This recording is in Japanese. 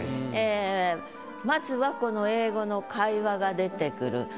ええまずはこの英語の会話が出てくる。